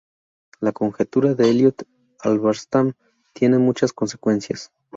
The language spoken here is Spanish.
La conjetura de Elliott–Halberstam tiene muchas consecuencias.